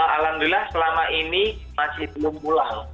alhamdulillah selama ini masih belum pulang